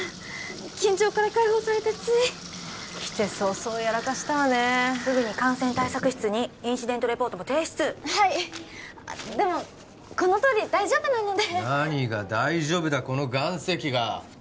緊張から解放されてつい来て早々やらかしたわねすぐに感染対策室にインシデントレポートも提出はいっでもこのとおり大丈夫なので何が大丈夫だこの岩石が！